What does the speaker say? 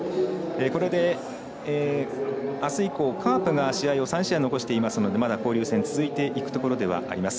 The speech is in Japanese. これで、あす以降カープが試合を３試合残していますのでまだ交流戦続いていくところではあります。